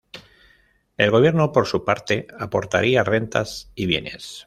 El gobierno, por su parte, aportaría rentas y bienes.